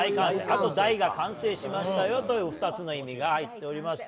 あと、台が完成しましたよという２つの意味が入っておりました。